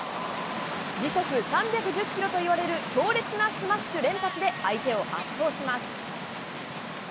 時速３１０キロといわれる強烈なスマッシュ連発で相手を圧倒します。